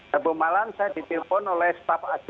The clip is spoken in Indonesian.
rebu malam saya ditelepon oleh staff